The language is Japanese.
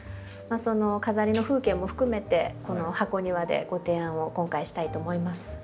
その飾りの風景も含めてこの箱庭でご提案を今回したいと思います。